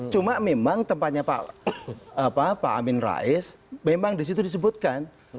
cuma memang tempatnya pak amin rais memang disitu disebutkan